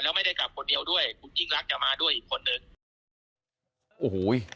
แล้วไม่ได้กลับคนเดียวด้วยคุณยิ่งรักจะมาด้วยอีกคนนึงโอ้โห